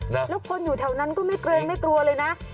แล้วคนอยู่แถวนั้นก็ไม่เกรงไม่กลัวเลยนะ